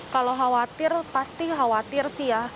kalau khawatir pasti khawatir sih ya